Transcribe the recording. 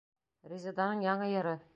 Резеданың яңы йыры.